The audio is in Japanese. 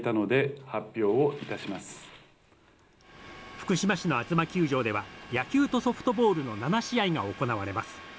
福島市のあづま球場では野球とソフトボールの７試合が行われます。